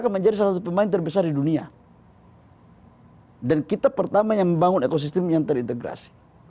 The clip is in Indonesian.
ke menjatuhkan pemain terbesar di dunia hai dan kita pertama yang membangun ekosistem yang terintegrasi